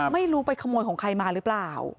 ไม่รู้ไปขโมยของใครมาหรือเปล่า